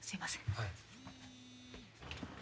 はい。